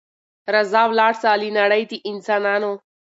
راځه ولاړ سه له نړۍ د انسانانو